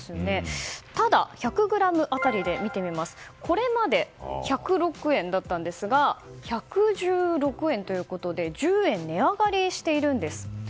ただ、１００ｇ当たりで見てみますとこれまで１０６円だったんですが１１６円ということで１０円値上がりしているんです。